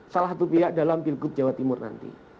salah satu pihak dalam pilgub jawa timur nanti